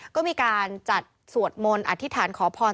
ก็มีการจัดสวดมนต์อธิษฐานขอพร